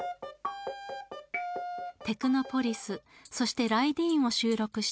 「テクノポリス」そして「ＲＹＤＥＥＮ」を収録した